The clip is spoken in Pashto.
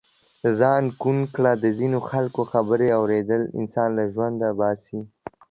ځان ڪوڼ ڪړه د ځينو خلڪو خبرې اوریدل انسان له ژونده باسي.